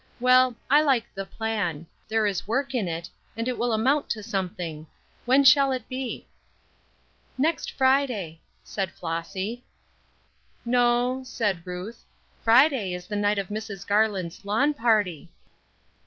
Well, I like the plan; there is work in it, and it will amount to something. When shall it be?" "Next Friday," said Flossy. "No," said Ruth; "Friday is the night of Mrs. Garland's lawn party."